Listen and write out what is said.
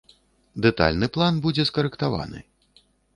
Дэтальны план будзе скарэктаваны.